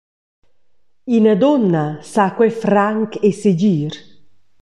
Ina dunna sa quei franc e segir.